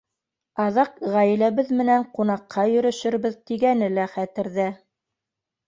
Аҙаҡ ғаиләбеҙ менән ҡунаҡҡа йөрөшөрбөҙ тигәне лә хәтерҙә.